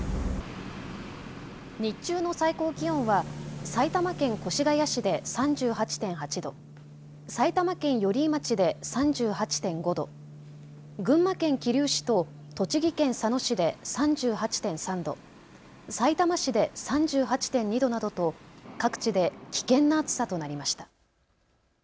日中の最高気温は埼玉県越谷市で３８．８度、埼玉県寄居町で３８．５度、群馬県桐生市と栃木県佐野市で３８．３度、さいたま市で３８．２度などと各地で危険な暑さとなりました。